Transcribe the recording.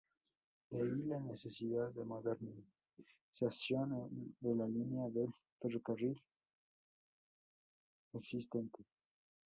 De ahí la necesidad de modernización de la línea del ferrocarril existente.